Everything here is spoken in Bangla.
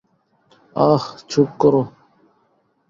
আঃ– চুপ করো।